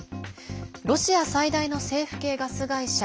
ロシア最大の政府系ガス会社